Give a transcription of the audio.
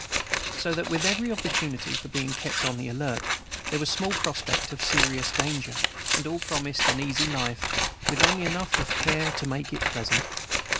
So that, with every opportunity for being kept on the alert, there was small prospect of serious danger; and all promised an easy life, with only enough of care to make it pleasant.